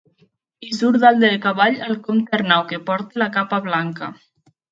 I surt dalt de cavall el comte Arnau, que porta la capa blanca.